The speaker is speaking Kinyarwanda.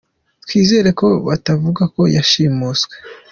Twizere ko batavuga ko yashimushwe !